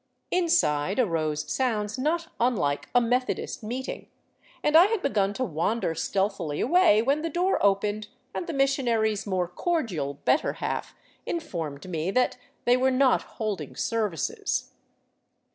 Inside arose sounds not unlike a Methodist meeting, and I had 441 VAGABONDING DOWN THE ANDES begun to wander stealthily away when the door opened and the mis sionary's more cordial better half informed me that they were not " holding services.'